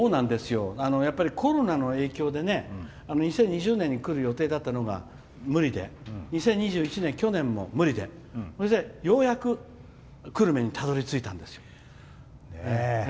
コロナの影響で２０２０年に来る予定だったのが無理で、２０２１年去年も無理でようやく久留米にたどりついたんですよ。